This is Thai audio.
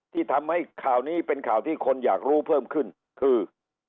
ที่ทำให้ข่าวนี้เป็นข่าวที่คนอยากรู้เพิ่มขึ้นคือ